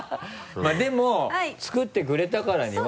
まぁでも作ってくれたからには。